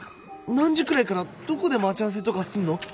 何時ぐらいからどこで待ち合わせとかすんの？